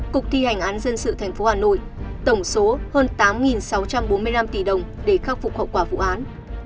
cục thi hành án dân sự tp hà nội tổng số hơn tám sáu trăm bốn mươi năm tỷ đồng để khắc phục hậu quả vụ án